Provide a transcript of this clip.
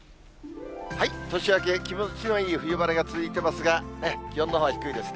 年明け、気持ちのいい冬晴れが続いてますが、気温のほうは低いですね。